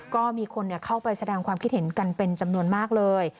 ก็มีคนเข้าไปแสดงความคิดเห็นกันเป็นจำนวนมากเลย